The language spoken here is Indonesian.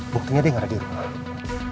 buktinya dia nggak ada di rumah